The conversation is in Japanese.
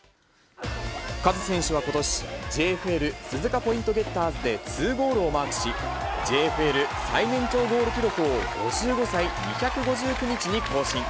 カズ選手はことし、ＪＦＬ鈴鹿ポイントゲッターズで２ゴールをマークし、ＪＦＬ最年長ゴール記録を５５歳２５９日に更新。